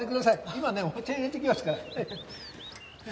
今ねお茶いれてきますから。